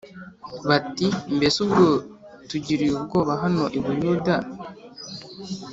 bati “Mbese ubwo tugiriye ubwoba hano i Buyuda